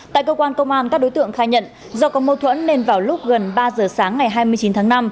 tại cơ quan công an các đối tượng khai nhận do có mâu thuẫn nên vào lúc gần ba giờ sáng ngày hai mươi chín tháng năm